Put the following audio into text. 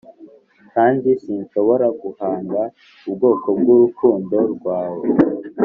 kandi sinshobora guhaga ubwoko bwurukundo rwawe